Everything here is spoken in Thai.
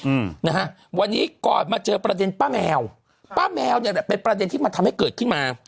อืมนะฮะวันนี้ก่อนมาเจอประเด็นป้าแมวป้าแมวเนี้ยแหละเป็นประเด็นที่มันทำให้เกิดขึ้นมา